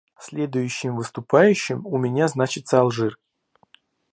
Следующим выступающим у меня значится Алжир.